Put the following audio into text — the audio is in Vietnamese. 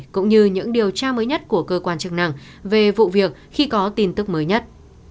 cũng như những điều tra mới nhất của cơ quan chức năng về vụ việc khi có tin tức mới nhất